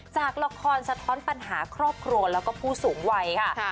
จากละครสะท้อนปัญหาครอบครัวแล้วก็ผู้สูงวัยค่ะ